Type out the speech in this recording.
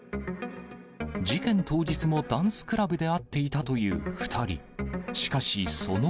事件当日もダンスクラブで会っていたという２人。